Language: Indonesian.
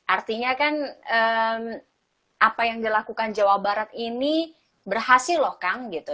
artinya kan apa yang dilakukan jawa barat ini berhasil loh kang gitu